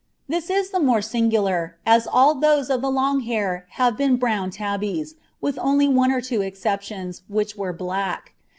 This is the more singular as all those of the long hair have been brown tabbies, with only one or two exceptions, which were black.